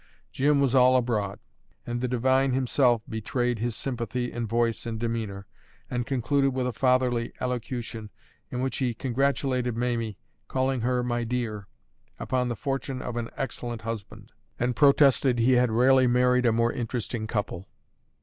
Jim was all abroad; and the divine himself betrayed his sympathy in voice and demeanour, and concluded with a fatherly allocution, in which he congratulated Mamie (calling her "my dear") upon the fortune of an excellent husband, and protested he had rarely married a more interesting couple.